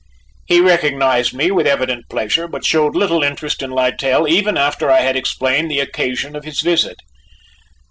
He recognized me with evident pleasure, but showed little interest in Littell even after I had explained the occasion of his visit.